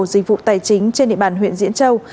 dịch vụ tài chính trên địa bàn huyện diễn châu